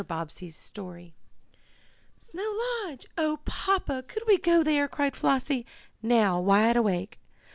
BOBBSEY'S STORY "Snow Lodge! Oh, Papa, could we go there?" cried Flossie, now wide awake.